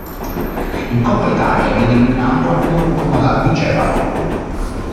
In Coppa Italia viene eliminato al primo turno dal Vigevano.